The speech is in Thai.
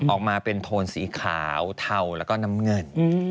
ออกมาเป็นโทนสีขาวเทาแล้วก็น้ำเงิน